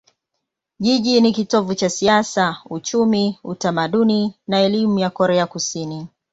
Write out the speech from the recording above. Jiji ni kitovu cha siasa, uchumi, utamaduni na elimu ya Korea Kusini.